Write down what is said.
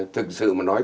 thực sự mà nói